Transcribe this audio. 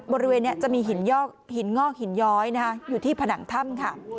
บริเวณนี้จะมีหินงอกหินย้อยอยู่ที่ผนังถ้ำค่ะ